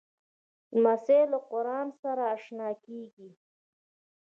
لمسی له قرآنه سره اشنا کېږي.